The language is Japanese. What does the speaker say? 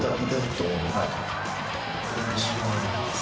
お願いします。